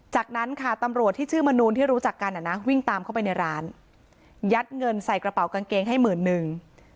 จากนั้นค่ะตำรวจที่ชื่อมนูนที่รู้จักกันอ่ะนะวิ่งตามเข้าไปในร้านยัดเงินใส่กระเป๋ากางเกงให้หมื่นนึง